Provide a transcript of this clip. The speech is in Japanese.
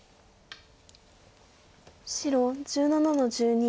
白１７の十二。